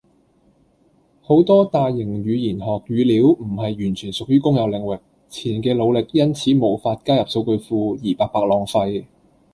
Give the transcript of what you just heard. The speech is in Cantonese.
好多大型語言學語料唔係完全屬於公有領域。前人既努力因此無法加入數據庫，而白白浪費